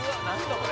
これ。